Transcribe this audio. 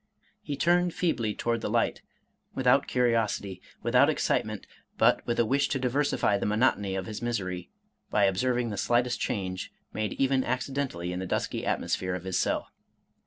He turned feebly toward the light, without curiosity, without excitement, but with a wish to diversify the monotony of his misery, by observing the slightest change made even accidentally in the dusky atmosphere of his cell.